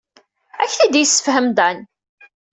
Ad ak-t-id-yessefhem Dan.